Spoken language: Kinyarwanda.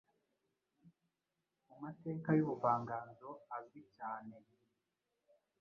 mumateka yubuvanganzoAzwi cyane